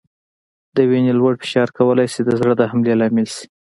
د وینې لوړ فشار کولای شي د زړه د حملې لامل شي.